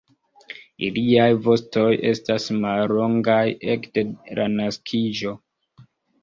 Iliaj vostoj estas mallongaj ekde la naskiĝo.